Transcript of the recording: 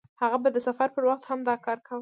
هغه به د سفر په وخت هم دا کار کاوه.